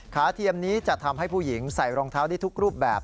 เทียมนี้จะทำให้ผู้หญิงใส่รองเท้าได้ทุกรูปแบบ